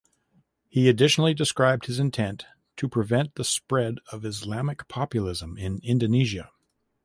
He additionally described his intent to prevent the spread of Islamic populism in Indonesia.